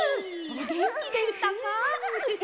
おげんきでしたか？